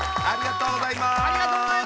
ありがとうございます。